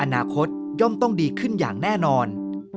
อนาคตย่อมต้องดีขึ้นอย่างแน่นอน